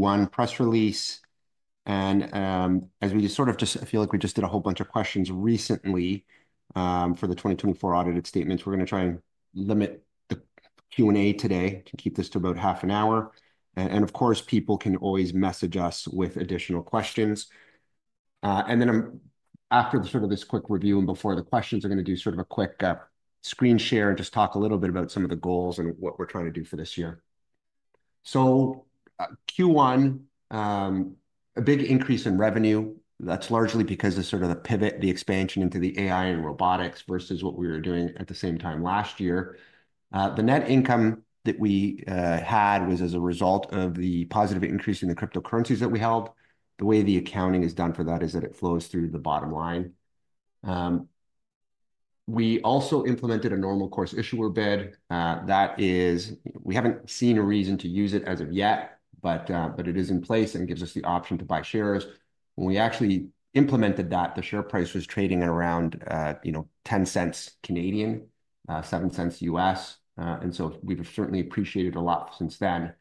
One press release. As we just sort of just—I feel like we just did a whole bunch of questions recently, for the 2024 audited statements. We are going to try and limit the Q&A today to keep this to about half an hour. Of course, people can always message us with additional questions. After this quick review and before the questions, we are going to do a quick screen share and just talk a little bit about some of the goals and what we are trying to do for this year. Q1, a big increase in revenue. That is largely because of the pivot, the expansion into the AI and robotics versus what we were doing at the same time last year. The net income that we had was as a result of the positive increase in the cryptocurrencies that we held. The way the accounting is done for that is that it flows through the bottom line. We also implemented a normal course issuer bid. That is, we have not seen a reason to use it as of yet, but it is in place and gives us the option to buy shares. When we actually implemented that, the share price was trading at around, you know, 0.10, $0.07 US. We have certainly appreciated a lot since then.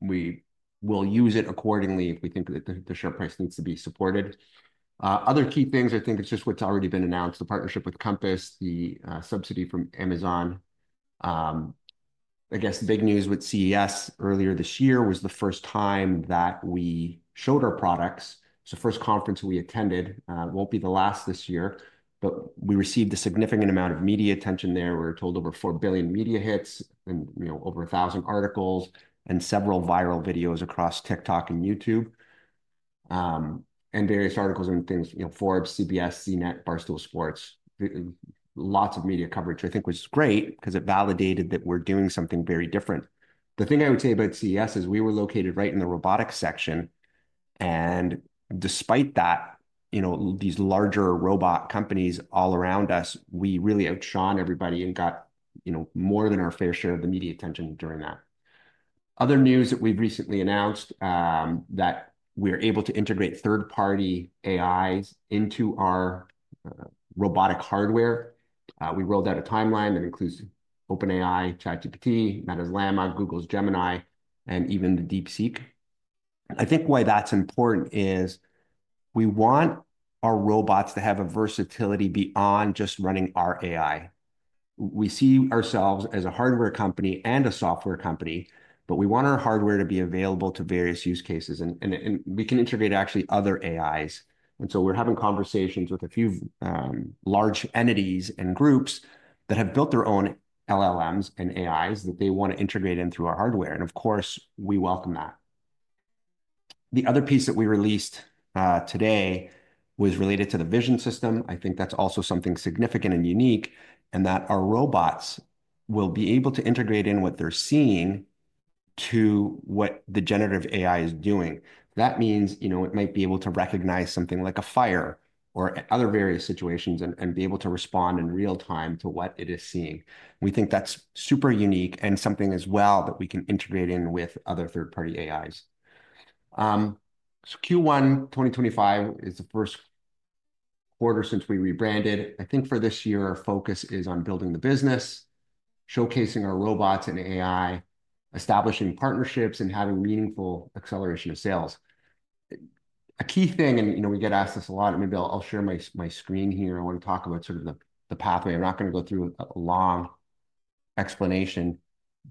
We will use it accordingly if we think that the share price needs to be supported. Other key things, I think, is just what has already been announced: the partnership with Compass, the subsidy from Amazon. I guess the big news with CES earlier this year was the first time that we showed our products. It's the first conference we attended. It won't be the last this year, but we received a significant amount of media attention there. We were told over 4 billion media hits and, you know, over a thousand articles and several viral videos across TikTok and YouTube, and various articles and things, you know, Forbes, CBS, CNET, Barstool Sports, lots of media coverage, I think, was great because it validated that we're doing something very different. The thing I would say about CES is we were located right in the robotics section. Despite that, you know, these larger robot companies all around us, we really outshone everybody and got, you know, more than our fair share of the media attention during that. Other news that we've recently announced, that we're able to integrate third-party AIs into our robotic hardware. We rolled out a timeline that includes OpenAI, ChatGPT, Meta's Llama, Google's Gemini, and even DeepSeek. I think why that's important is we want our robots to have a versatility beyond just running our AI. We see ourselves as a hardware company and a software company, but we want our hardware to be available to various use cases. We can integrate actually other AIs. We are having conversations with a few large entities and groups that have built their own LLMs and AIs that they want to integrate in through our hardware. Of course, we welcome that. The other piece that we released today was related to the vision system. I think that's also something significant and unique, and that our robots will be able to integrate in what they're seeing to what the generative AI is doing. That means, you know, it might be able to recognize something like a fire or other various situations and be able to respond in real time to what it is seeing. We think that's super unique and something as well that we can integrate in with other third-party AIs. Q1 2025 is the first quarter since we rebranded. I think for this year, our focus is on building the business, showcasing our robots and AI, establishing partnerships, and having meaningful acceleration of sales. A key thing, and, you know, we get asked this a lot, and maybe I'll share my screen here. I want to talk about sort of the pathway. I'm not going to go through a long explanation.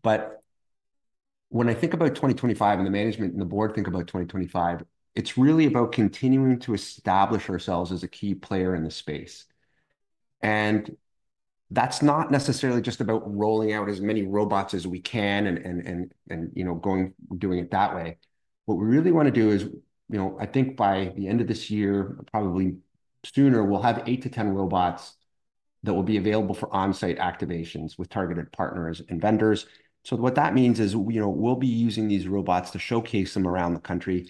When I think about 2025 and the management and the board think about 2025, it's really about continuing to establish ourselves as a key player in the space. That's not necessarily just about rolling out as many robots as we can and, you know, going doing it that way. What we really want to do is, you know, I think by the end of this year, probably sooner, we'll have 8-10 robots that will be available for on-site activations with targeted partners and vendors. What that means is, you know, we'll be using these robots to showcase them around the country.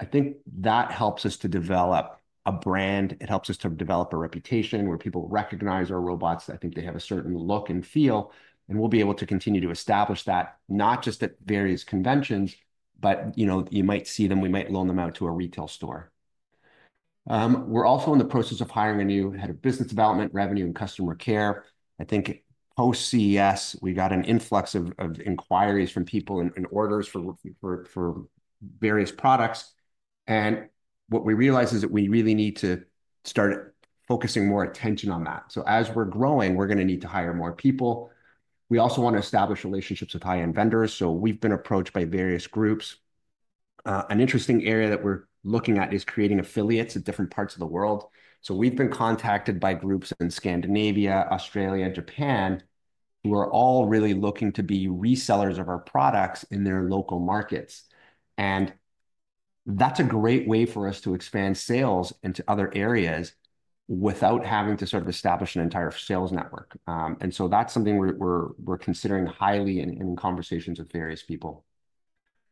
I think that helps us to develop a brand. It helps us to develop a reputation where people recognize our robots. I think they have a certain look and feel, and we'll be able to continue to establish that not just at various conventions, but, you know, you might see them. We might loan them out to a retail store. We're also in the process of hiring a new head of business development, revenue, and customer care. I think post-CES, we got an influx of inquiries from people and orders for various products. What we realized is that we really need to start focusing more attention on that. As we're growing, we're going to need to hire more people. We also want to establish relationships with high-end vendors. We've been approached by various groups. An interesting area that we're looking at is creating affiliates at different parts of the world. We have been contacted by groups in Scandinavia, Australia, and Japan who are all really looking to be resellers of our products in their local markets. That is a great way for us to expand sales into other areas without having to sort of establish an entire sales network. That is something we are considering highly in conversations with various people.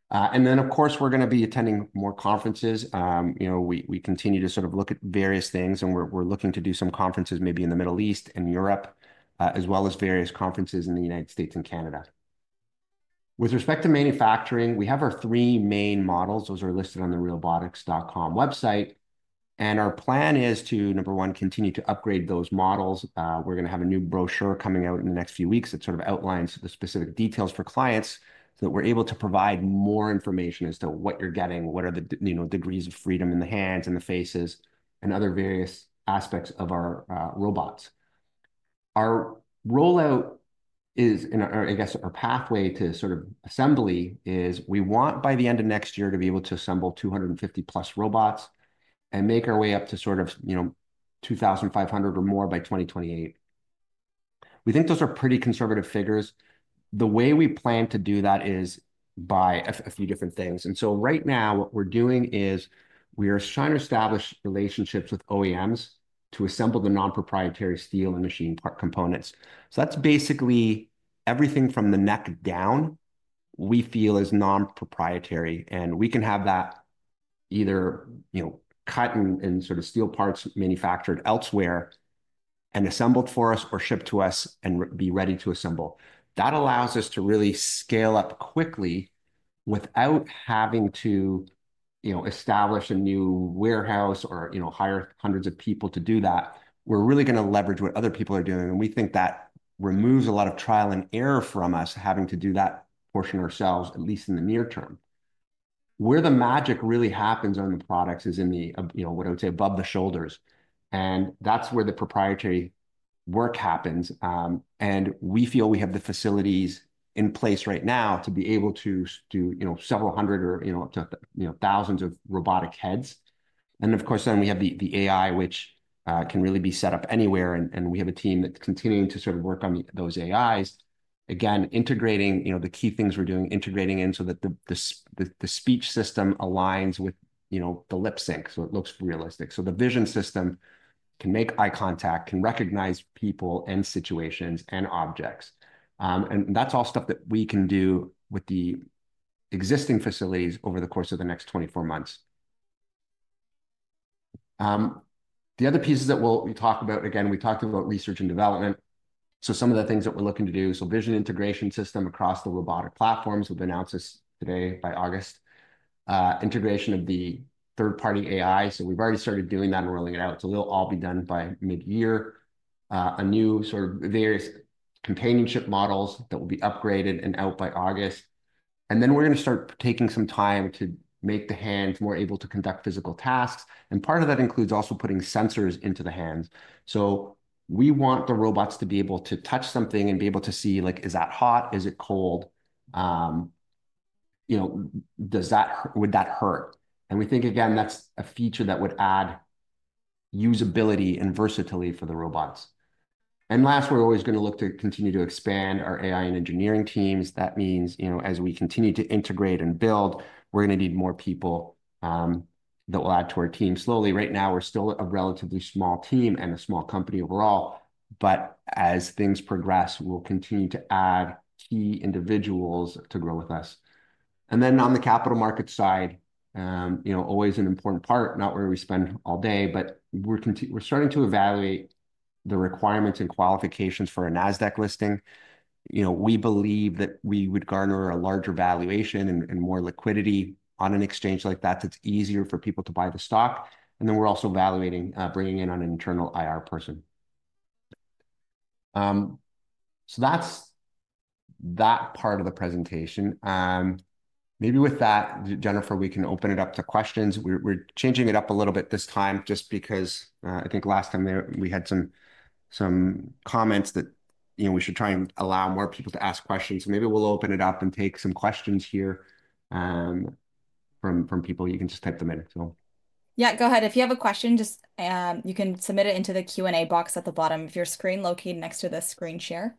Of course, we are going to be attending more conferences. You know, we continue to sort of look at various things, and we are looking to do some conferences maybe in the Middle East and Europe, as well as various conferences in the United States and Canada. With respect to manufacturing, we have our three main models. Those are listed on the realbotix.com website. Our plan is to, number one, continue to upgrade those models. We're going to have a new brochure coming out in the next few weeks that sort of outlines the specific details for clients so that we're able to provide more information as to what you're getting, what are the, you know, degrees of freedom in the hands and the faces and other various aspects of our robots. Our rollout is, or I guess our pathway to sort of assembly is we want by the end of next year to be able to assemble 250 plus robots and make our way up to sort of, you know, 2,500 or more by 2028. We think those are pretty conservative figures. The way we plan to do that is by a few different things. Right now, what we're doing is we are trying to establish relationships with OEMs to assemble the non-proprietary steel and machine part components. That's basically everything from the neck down we feel is non-proprietary. We can have that either, you know, cut and sort of steel parts manufactured elsewhere and assembled for us or shipped to us and be ready to assemble. That allows us to really scale up quickly without having to, you know, establish a new warehouse or, you know, hire hundreds of people to do that. We're really going to leverage what other people are doing. We think that removes a lot of trial and error from us having to do that portion ourselves, at least in the near term. Where the magic really happens on the products is in the, you know, what I would say above the shoulders. That's where the proprietary work happens. We feel we have the facilities in place right now to be able to do, you know, several hundred or, you know, up to, you know, thousands of robotic heads. Of course, we have the AI, which can really be set up anywhere. We have a team that's continuing to sort of work on those AIs. Again, integrating, you know, the key things we're doing, integrating in so that the speech system aligns with, you know, the lip sync so it looks realistic. The vision system can make eye contact, can recognize people and situations and objects. That's all stuff that we can do with the existing facilities over the course of the next 24 months. The other pieces that we'll talk about, again, we talked about research and development. Some of the things that we're looking to do, vision integration system across the robotic platforms, we've announced this today. By August, integration of the third-party AI. We've already started doing that and rolling it out. They'll all be done by mid-year. A new sort of various companionship models that will be upgraded and out by August. We're going to start taking some time to make the hands more able to conduct physical tasks. Part of that includes also putting sensors into the hands. We want the robots to be able to touch something and be able to see, like, is that hot? Is it cold? You know, does that, would that hurt? We think, again, that's a feature that would add usability and versatility for the robots. We're always going to look to continue to expand our AI and engineering teams. That means, you know, as we continue to integrate and build, we're going to need more people, that will add to our team slowly. Right now, we're still a relatively small team and a small company overall, but as things progress, we'll continue to add key individuals to grow with us. On the capital market side, you know, always an important part, not where we spend all day, but we're starting to evaluate the requirements and qualifications for a Nasdaq listing. You know, we believe that we would garner a larger valuation and more liquidity on an exchange like that. It's easier for people to buy the stock. We're also evaluating bringing in an internal IR person. So that's that part of the presentation. Maybe with that, Jennifer, we can open it up to questions. We're changing it up a little bit this time just because, I think last time we had some comments that, you know, we should try and allow more people to ask questions. Maybe we'll open it up and take some questions here from people. You can just type them in. Yeah, go ahead. If you have a question, just, you can submit it into the Q&A box at the bottom of your screen located next to the screen share.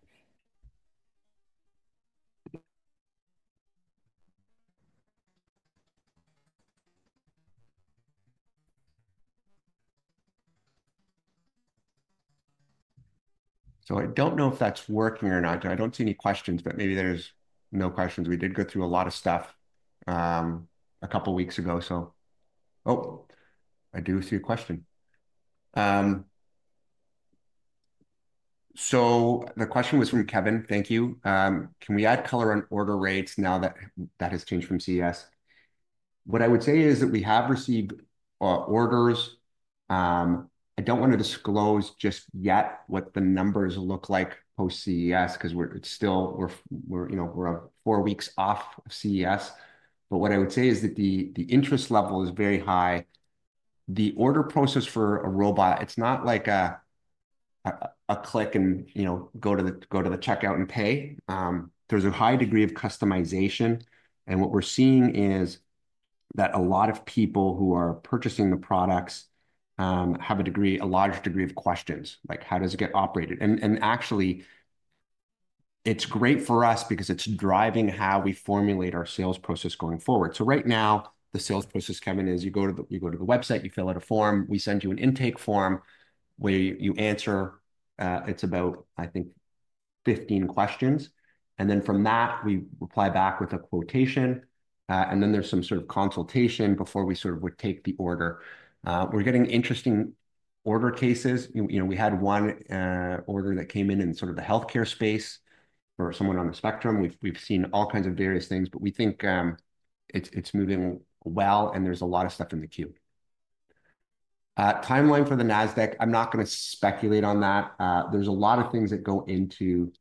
I don't know if that's working or not. I don't see any questions, but maybe there's no questions. We did go through a lot of stuff a couple of weeks ago. Oh, I do see a question. The question was from Kevin. Thank you. Can we add color on order rates now that that has changed from CES? What I would say is that we have received orders. I do not want to disclose just yet what the numbers look like post-CES because we are, it is still, we are, you know, we are four weeks off of CES. What I would say is that the interest level is very high. The order process for a robot, it is not like a click and, you know, go to the checkout and pay. There is a high degree of customization. What we are seeing is that a lot of people who are purchasing the products have a degree, a large degree of questions, like, how does it get operated? Actually, it is great for us because it is driving how we formulate our sales process going forward. Right now, the sales process, Kevin, is you go to the website, you fill out a form, we send you an intake form where you answer, it's about, I think, 15 questions. Then from that, we reply back with a quotation, and then there's some sort of consultation before we sort of would take the order. We're getting interesting order cases. You know, we had one order that came in in sort of the healthcare space for someone on the spectrum. We've seen all kinds of various things, but we think it's moving well and there's a lot of stuff in the queue. Timeline for the Nasdaq, I'm not going to speculate on that. There's a lot of things that go into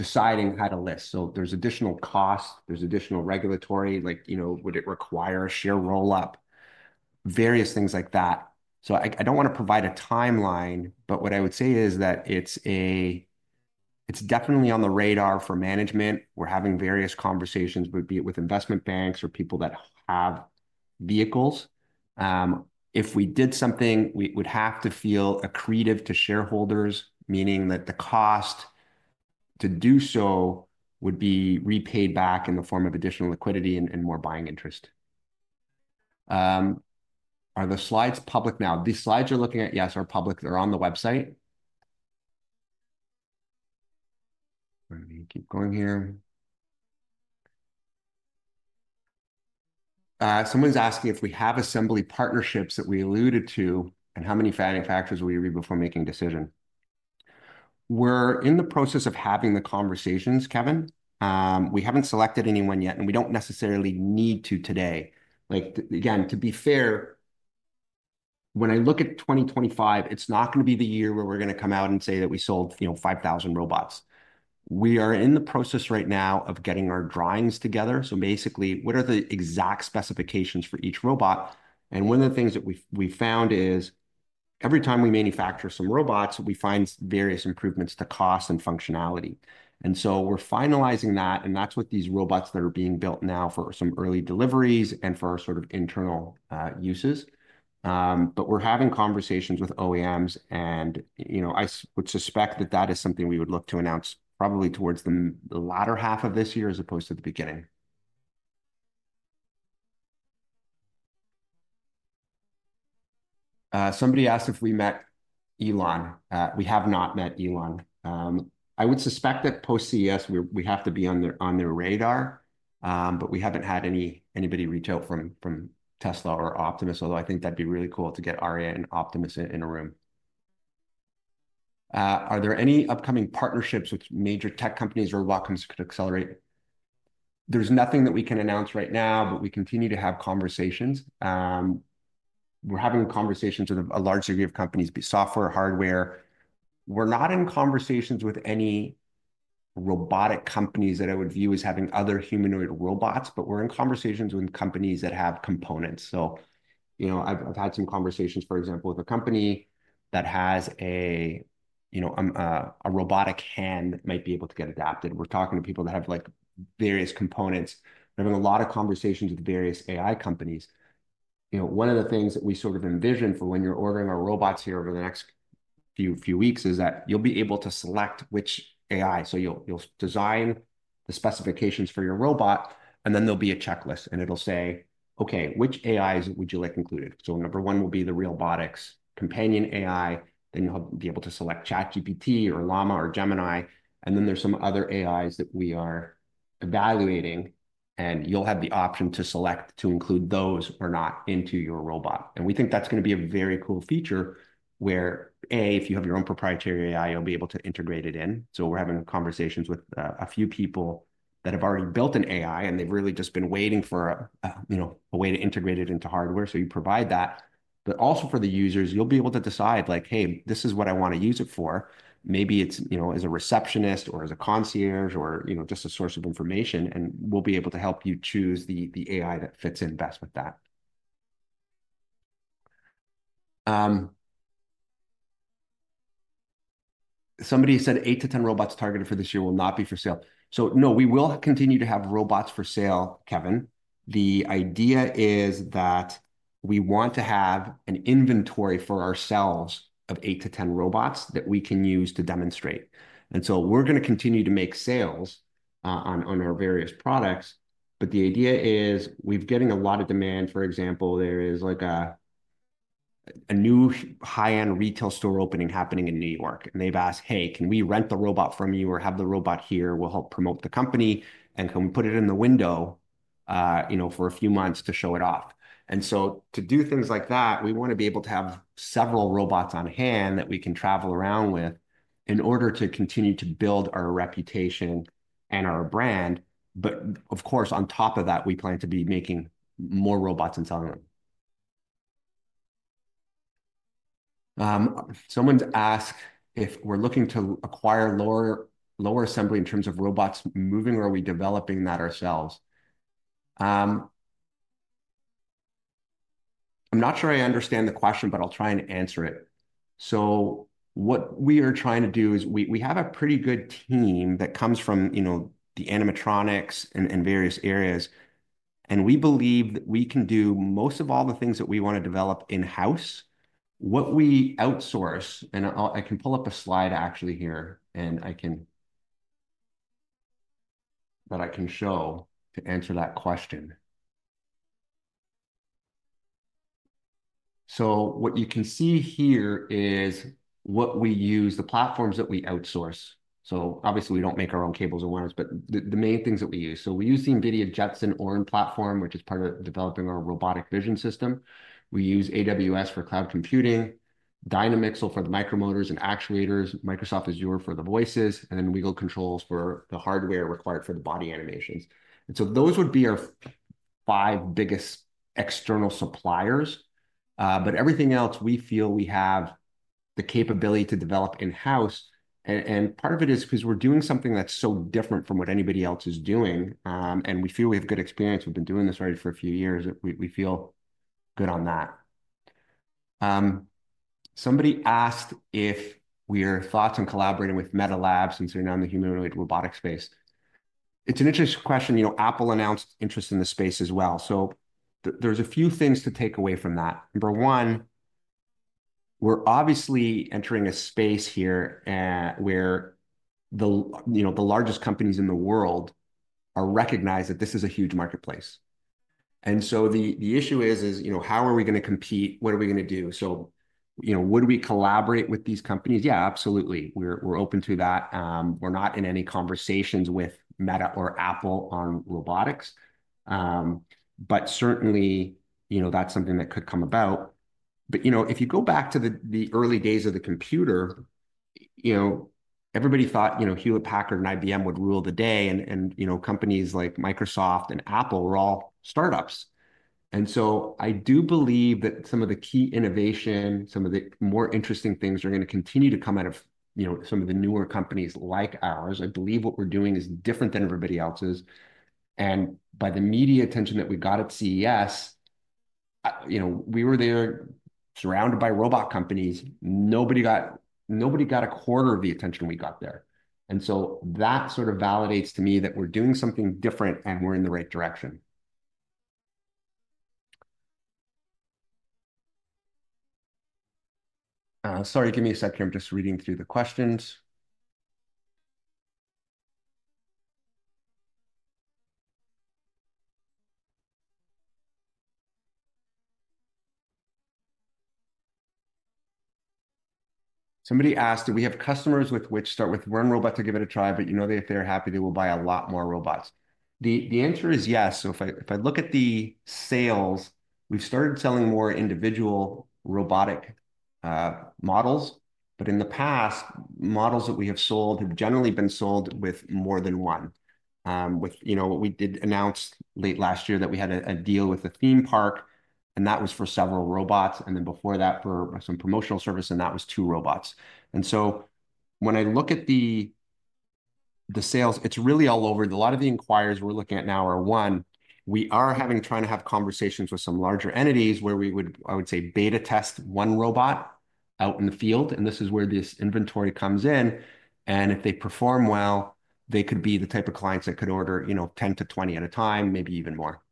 deciding how to list. There is additional cost, there is additional regulatory, like, you know, would it require a share roll-up, various things like that. I do not want to provide a timeline, but what I would say is that it is definitely on the radar for management. We are having various conversations, would be with investment banks or people that have vehicles. If we did something, we would have to feel accretive to shareholders, meaning that the cost to do so would be repaid back in the form of additional liquidity and more buying interest. Are the slides public now? These slides you are looking at, yes, are public. They are on the website. Let me keep going here. Someone is asking if we have assembly partnerships that we alluded to and how many manufacturers will we read before making a decision. We are in the process of having the conversations, Kevin. We haven't selected anyone yet and we don't necessarily need to today. Like, again, to be fair, when I look at 2025, it's not going to be the year where we're going to come out and say that we sold, you know, 5,000 robots. We are in the process right now of getting our drawings together. So basically, what are the exact specifications for each robot? One of the things that we've found is every time we manufacture some robots, we find various improvements to cost and functionality. We are finalizing that. That's what these robots that are being built now are for, some early deliveries and for our sort of internal uses. We are having conversations with OEMs and, you know, I would suspect that is something we would look to announce probably towards the latter half of this year as opposed to the beginning. Somebody asked if we met Elon. We have not met Elon. I would suspect that post-CES, we have to be on their radar. We have not had anybody reach out from Tesla or Optimus, although I think that would be really cool to get Aria and Optimus in a room. Are there any upcoming partnerships with major tech companies or welcomes could accelerate? There is nothing that we can announce right now, but we continue to have conversations. We are having conversations with a large degree of companies, be software, hardware. We are not in conversations with any robotic companies that I would view as having other humanoid robots, but we are in conversations with companies that have components. You know, I have had some conversations, for example, with a company that has a robotic hand that might be able to get adapted. We're talking to people that have like various components. We're having a lot of conversations with various AI companies. You know, one of the things that we sort of envision for when you're ordering our robots here over the next few weeks is that you'll be able to select which AI. You know, you'll design the specifications for your robot, and then there'll be a checklist and it'll say, okay, which AIs would you like included? Number one will be the Realbotix Companion AI. Then you'll be able to select ChatGPT or Llama or Gemini. There are some other AIs that we are evaluating, and you'll have the option to select to include those or not into your robot. We think that's going to be a very cool feature where, A, if you have your own proprietary AI, you'll be able to integrate it in. We're having conversations with a few people that have already built an AI, and they've really just been waiting for a, you know, a way to integrate it into hardware. You provide that, but also for the users, you'll be able to decide like, hey, this is what I want to use it for. Maybe it's, you know, as a receptionist or as a concierge or, you know, just a source of information, and we'll be able to help you choose the AI that fits in best with that. Somebody said eight to ten robots targeted for this year will not be for sale. No, we will continue to have robots for sale, Kevin. The idea is that we want to have an inventory for ourselves of eight to ten robots that we can use to demonstrate. We're going to continue to make sales on our various products. The idea is we've been getting a lot of demand. For example, there is a new high-end retail store opening happening in New York, and they've asked, hey, can we rent the robot from you or have the robot here? We'll help promote the company, and can we put it in the window, you know, for a few months to show it off? To do things like that, we want to be able to have several robots on hand that we can travel around with in order to continue to build our reputation and our brand. Of course, on top of that, we plan to be making more robots and selling them. Someone's asked if we're looking to acquire lower, lower assembly in terms of robots moving or are we developing that ourselves? I'm not sure I understand the question, but I'll try and answer it. What we are trying to do is we, we have a pretty good team that comes from, you know, the animatronics and, and various areas. We believe that we can do most of all the things that we want to develop in-house. What we outsource, and I can pull up a slide actually here, and I can, that I can show to answer that question. What you can see here is what we use, the platforms that we outsource. Obviously we don't make our own cables and wires, but the main things that we use. We use the NVIDIA Jetson Orin platform, which is part of developing our robotic vision system. We use AWS for cloud computing, Dynamixel for the micromotors and actuators, Microsoft Azure for the voices, and then Wiggle Controls for the hardware required for the body animations. Those would be our five biggest external suppliers. Everything else we feel we have the capability to develop in-house. Part of it is because we're doing something that's so different from what anybody else is doing, and we feel we have good experience. We've been doing this already for a few years. We feel good on that. Somebody asked if we are thoughts on collaborating with Meta and so now in the humanoid robotic space. It's an interesting question. You know, Apple announced interest in the space as well. There are a few things to take away from that. Number one, we're obviously entering a space here, where the, you know, the largest companies in the world are recognized that this is a huge marketplace. The issue is, is, you know, how are we going to compete? What are we going to do? You know, would we collaborate with these companies? Yeah, absolutely. We're open to that. We're not in any conversations with Meta or Apple on robotics. Certainly, you know, that's something that could come about. You know, if you go back to the early days of the computer, you know, everybody thought, you know, Hewlett-Packard and IBM would rule the day. You know, companies like Microsoft and Apple were all startups. I do believe that some of the key innovation, some of the more interesting things are going to continue to come out of, you know, some of the newer companies like ours. I believe what we're doing is different than everybody else's. And by the media attention that we got at CES, you know, we were there surrounded by robot companies. Nobody got, nobody got a quarter of the attention we got there. That sort of validates to me that we're doing something different and we're in the right direction. Sorry, give me a second. I'm just reading through the questions. Somebody asked, do we have customers which start with one robot to give it a try, but, you know, if they're happy, they will buy a lot more robots. The answer is yes. If I look at the sales, we've started selling more individual robotic models, but in the past, models that we have sold have generally been sold with more than one, with, you know, what we did announce late last year that we had a deal with the theme park, and that was for several robots. Before that, for some promotional service, and that was two robots. When I look at the sales, it's really all over. A lot of the inquiries we're looking at now are one, we are trying to have conversations with some larger entities where we would, I would say, beta test one robot out in the field. This is where this inventory comes in. If they perform well, they could be the type of clients that could order, you know, 10-20 at a time, maybe even more.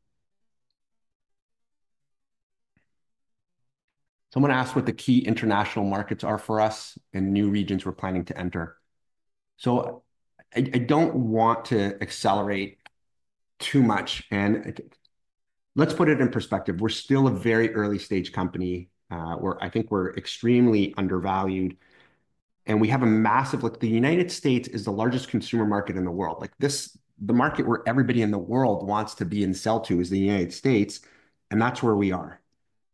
Someone asked what the key international markets are for us and new regions we're planning to enter. I don't want to accelerate too much. Let's put it in perspective. We're still a very early stage company. I think we're extremely undervalued and we have a massive, like the United States is the largest consumer market in the world. The market where everybody in the world wants to be and sell to is the United States. That's where we are.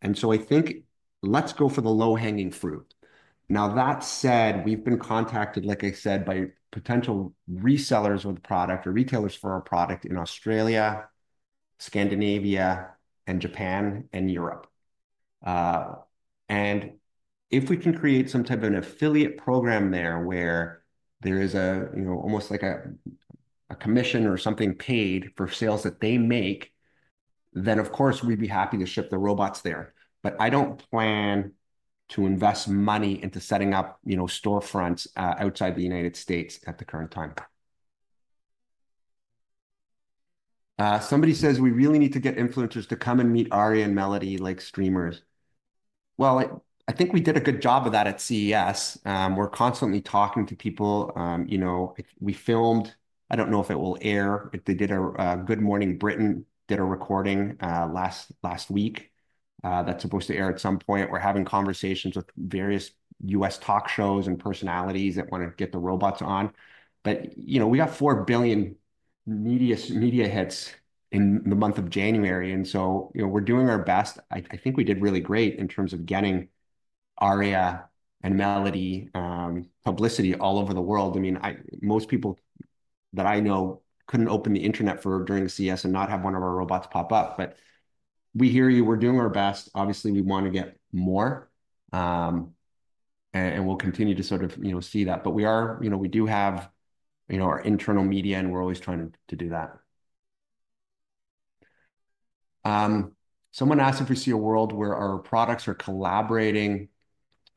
I think let's go for the low hanging fruit. That said, we've been contacted, like I said, by potential resellers with the product or retailers for our product in Australia, Scandinavia, Japan, and Europe. If we can create some type of an affiliate program there where there is a, you know, almost like a commission or something paid for sales that they make, then of course we'd be happy to ship the robots there. I don't plan to invest money into setting up, you know, storefronts, outside the United States at the current time. Somebody says we really need to get influencers to come and meet Aria and Melody like streamers. I think we did a good job of that at CES. We're constantly talking to people. You know, we filmed, I don't know if it will air, if they did a Good Morning Britain did a recording last week. That's supposed to air at some point. We're having conversations with various U.S. talk shows and personalities that want to get the robots on. You know, we got 4 billion media hits in the month of January. You know, we're doing our best. I think we did really great in terms of getting Aria and Melody publicity all over the world. I mean, most people that I know couldn't open the internet during CES and not have one of our robots pop up. We hear you, we're doing our best. Obviously, we want to get more, and we'll continue to sort of see that. We do have our internal media and we're always trying to do that. Someone asked if we see a world where our products are collaborating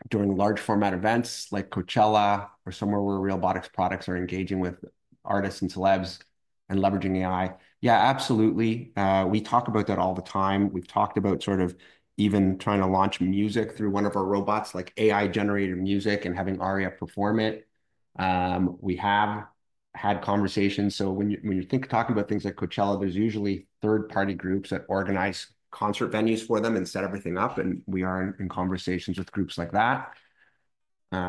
during large format events like Coachella or somewhere where Realbotix products are engaging with artists and celebs and leveraging AI. Yeah, absolutely. We talk about that all the time. We've talked about sort of even trying to launch music through one of our robots, like AI generated music and having Aria perform it. We have had conversations. When you think talking about things like Coachella, there's usually third-party groups that organize concert venues for them and set everything up. We are in conversations with groups like that. You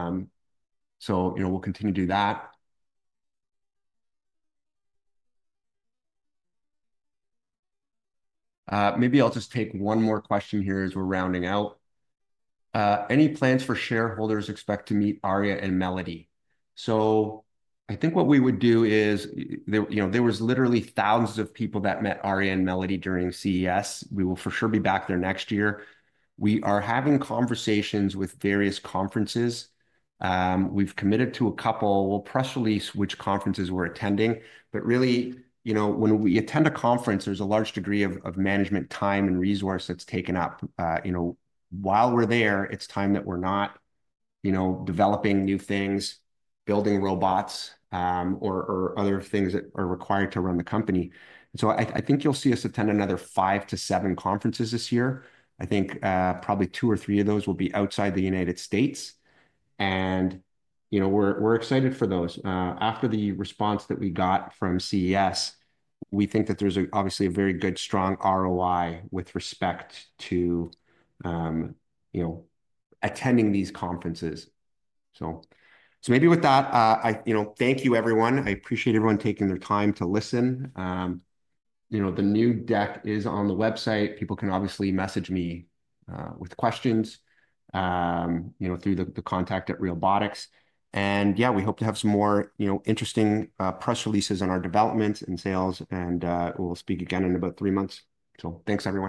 know, we'll continue to do that. Maybe I'll just take one more question here as we're rounding out. Any plans for shareholders expect to meet Aria and Melody? I think what we would do is there, you know, there was literally thousands of people that met Aria and Melody during CES. We will for sure be back there next year. We are having conversations with various conferences. We've committed to a couple. We'll press release which conferences we're attending, but really, you know, when we attend a conference, there's a large degree of management time and resource that's taken up, you know, while we're there, it's time that we're not, you know, developing new things, building robots, or other things that are required to run the company. I think you'll see us attend another five to seven conferences this year. I think probably two or three of those will be outside the United States. You know, we're excited for those. After the response that we got from CES, we think that there's obviously a very good, strong ROI with respect to attending these conferences. Maybe with that, I thank you everyone. I appreciate everyone taking their time to listen. You know, the new deck is on the website. People can obviously message me, with questions, you know, through the contact at Realbotix. Yeah, we hope to have some more, you know, interesting press releases on our developments and sales. We'll speak again in about three months. Thanks everyone.